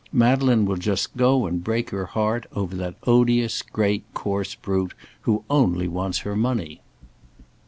Madeleine will just go and break her heart over that odious, great, coarse brute, who only wants her money."